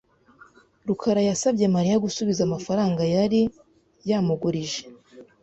rukarayasabye Mariya gusubiza amafaranga yari yamugurije.